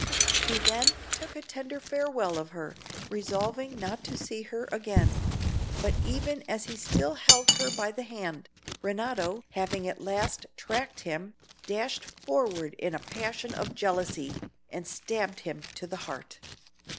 He then took a tender farewell of her, resolving not to see her again; but even as he still held her by the hand, Renato, having at last tracked him, dashed forward in a passion of jealousy, and stabbed him to the heart.